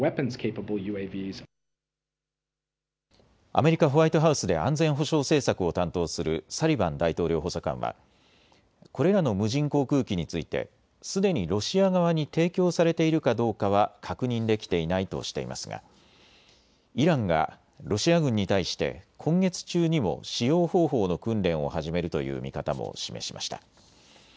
アメリカ・ホワイトハウスで安全保障政策を担当するサリバン大統領補佐官は、これらの無人航空機についてすでにロシア側に提供されているかどうかは確認できていないとしていますがイランがロシア軍に対して今月中にも使用方法の訓練を始めるという見方も示しました。